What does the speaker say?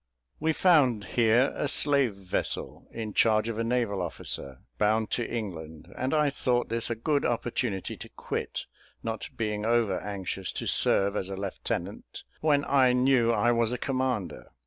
We found here a slave vessel in charge of a naval officer, bound to England; and I thought this a good opportunity to quit, not being over anxious to serve as a lieutenant when I knew I was a commander.